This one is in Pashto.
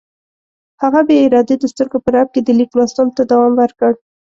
هغه بې ارادې د سترګو په رپ کې د لیک لوستلو ته دوام ورکړ.